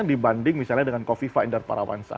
dibanding misalnya dengan kofifa indar parawansa